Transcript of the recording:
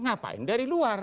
ngapain dari luar